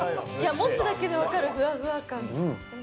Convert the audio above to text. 持つだけで分かるふわふわ感。